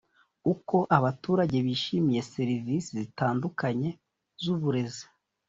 uko abaturage bishimiye serivisi zitandukanye z uburezi